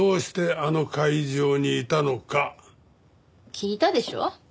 聞いたでしょ。